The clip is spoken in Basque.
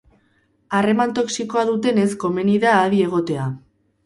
Harreman toxikoa dutenez komeni da adi egotea.